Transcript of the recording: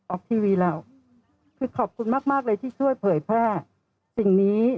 ออกทีวีแล้วคือขอบคุณมากมากเลยที่ช่วยเผยแพร่สิ่งนี้